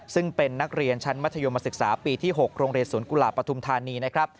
ซึ่งเป็นนักเรียนชั้นมัธยมศึกษาปีที่๖โรงเรียนสวนกุหลาบปฐุมธานีนะครับ